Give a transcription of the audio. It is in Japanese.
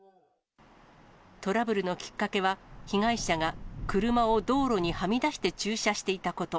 トラブルのきっかけは、被害者が車を道路にはみ出して駐車していたこと。